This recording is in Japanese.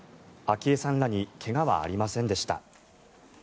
昭恵さんらに怪我はありませんでした。